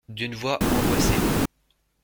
D’une voix angoissée.